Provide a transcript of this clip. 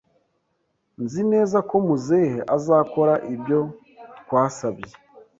Nzi neza ko Muzehe azakora ibyo twasabye.